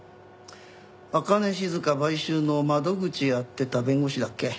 朱音静買収の窓口やってた弁護士だっけ？